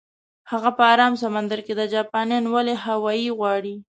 هغه په ارام سمندر کې ده، جاپانیان ولې هاوایي غواړي؟